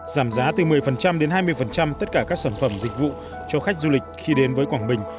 giảm giá từ một mươi đến hai mươi tất cả các sản phẩm dịch vụ cho khách du lịch khi đến với quảng bình